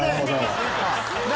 何？